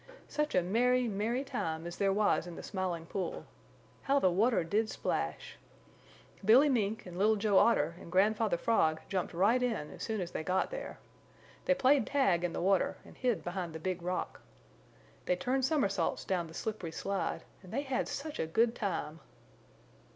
Such a merry, merry time as there was in the Smiling Pool! How the water did splash! Billy Mink and Little Joe Otter and Grandfather Frog jumped right in as soon as they got there. They played tag in the water and hid behind the Big Rock. They turned somersaults down the slippery slide and they had such a good time!